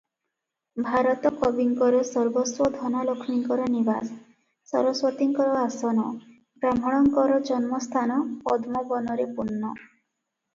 ଭାରତ କବିଙ୍କର ସର୍ବସ୍ୱ ଧନ ଲକ୍ଷ୍ମୀଙ୍କର ନିବାସ, ସରସ୍ୱତୀଙ୍କର ଆସନ, ବ୍ରାହ୍ମଣଙ୍କର ଜନ୍ମସ୍ଥାନ ପଦ୍ମ ବନରେ ପୂର୍ଣ୍ଣ ।